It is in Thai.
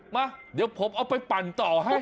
มาเดี๋ยวผมเอาไปปั่นต่อให้